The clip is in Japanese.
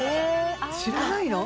知らないの？